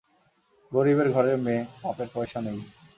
গরিবের ঘরের মেয়ে, বাপের পয়সা নেই।